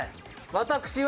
私は。